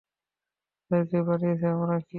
আমাদের কে বানিয়েছে আমরা কি?